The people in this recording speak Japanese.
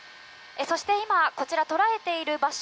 そして今、捉えている場所